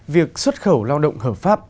việc xuất khẩu lao động hợp pháp